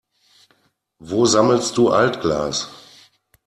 Wo sammelst du Altglas?